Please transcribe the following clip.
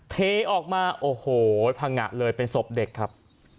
เทออกมาโอ้โหพังงะเลยเป็นศพเด็กครับ